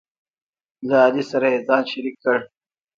له علي سره یې ځان شریک کړ،